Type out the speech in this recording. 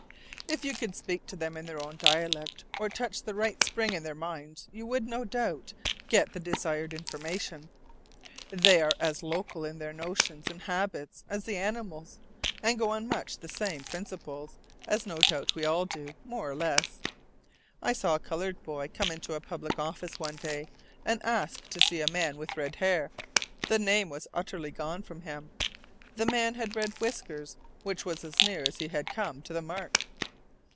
If you could speak to them in their own dialect, or touch the right spring in their minds, you would, no doubt, get the desired information. They are as local in their notions and habits as the animals, and go on much the same principles, as no doubt we all do, more or less. I saw a colored boy come into a public office one day, and ask to see a man with red hair; the name was utterly gone from him. The man had red whiskers, which was as near as he had come to the mark.